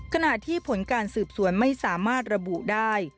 ขณะที่ผลการสืบสวนไม่สามารถระบุได้